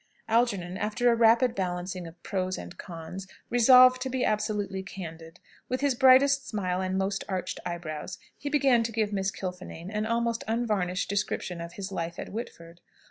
Algernon, after a rapid balancing of pros and cons, resolved to be absolutely candid. With his brightest smile and most arched eyebrows, he began to give Miss Kilfinane an almost unvarnished description of his life at Whitford.